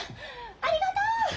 ありがとう！